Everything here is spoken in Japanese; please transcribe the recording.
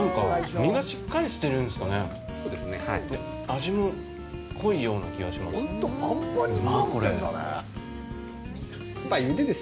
味も濃いような気がします。